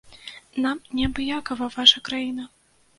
Нам не абыякавая ваша краіна.